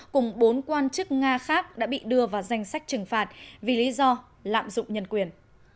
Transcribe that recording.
cùng bốn quan chức nga khác đã bị đưa vào danh sách trừng phạt vì lý do lạm dụng nhân quyền